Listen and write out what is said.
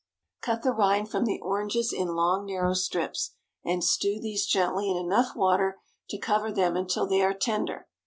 Cut the rind from the oranges in long narrow strips, and stew these gently in enough water to cover them until they are tender.